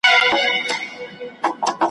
او ادب پوهان، د پښتو په کلاسیک ادب کي `